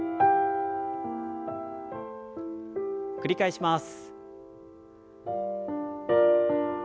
繰り返します。